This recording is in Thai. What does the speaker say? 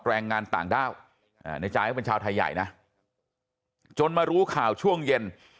แรงงานต่างด้าวในจายเขาเป็นชาวไทยใหญ่นะจนมารู้ข่าวช่วงเย็น